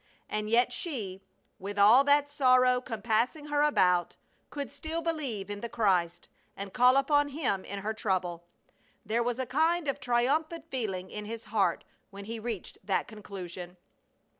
And yet she, with all that sorrow compassing her about, could still believe in the Christ and call upon Him in her trouble! There was a kind of triumphant feeling in his heart when he reached that conclusion.